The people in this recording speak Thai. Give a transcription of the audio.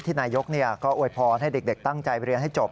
นายกก็อวยพรให้เด็กตั้งใจเรียนให้จบ